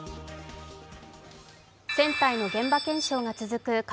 船体の現場検証が続く